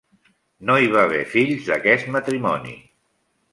No hi va haver fills d'aquest matrimoni.